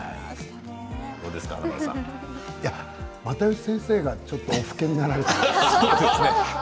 又吉先生がちょっとお老けになられた。